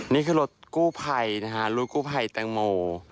นี่คือรถกู้ไภนะฮะรถกู้ไภแตงโม